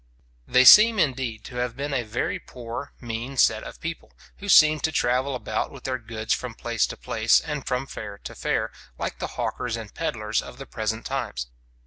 They seem, indeed, to have been a very poor, mean set of people, who seemed to travel about with their goods from place to place, and from fair to fair, like the hawkers and pedlars of the present times.